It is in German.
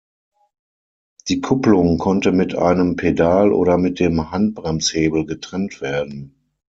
Die Kupplung konnte mit einem Pedal oder mit dem Handbremshebel getrennt werden.